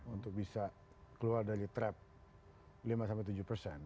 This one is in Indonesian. untuk bisa keluar dari trap lima tujuh persen